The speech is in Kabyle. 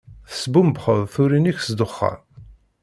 Tesbumbxeḍ turin-ik s ddexxan.